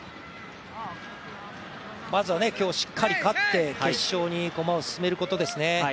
まずは今日しっかり勝って決勝に駒を進めることですね。